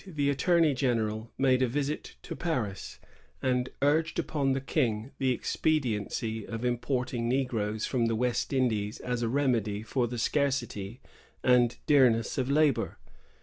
In 1688 the attorney general made a visit to Paris, and urged upon the King the expediency of importing negroes from the West Indies as a remedy for the scarcity and deamess of labor.